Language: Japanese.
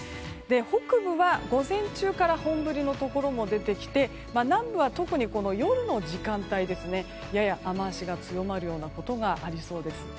北部は午前中から本降りのところも出てきて南部は特に夜の時間帯やや雨脚が強まるようなことがありそうです。